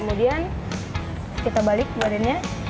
kemudian kita balik badannya